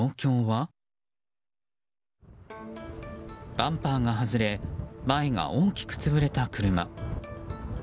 バンパーが外れ前が大きく潰れた車。